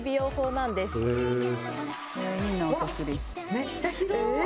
めっちゃ広い！え！